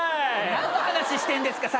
何の話してんですか？